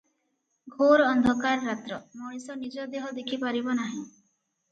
ଘୋର ଅନ୍ଧକାର ରାତ୍ର, ମଣିଷ ନିଜ ଦେହ ଦେଖିପାରିବ ନାହିଁ ।